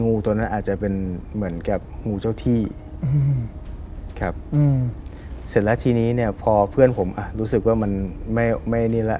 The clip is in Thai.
งูตัวนั้นอาจจะเป็นเหมือนกับงูเจ้าที่อืมครับอืมเสร็จแล้วทีนี้เนี่ยพอเพื่อนผมอ่ะรู้สึกว่ามันไม่ไม่นี่แหละ